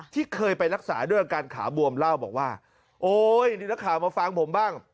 ที่เคยไปรักษาด้วยอาการขาบวมเล่าบอกว่าโอ๊ยนี่นักข่าวมาฟังผมบ้าง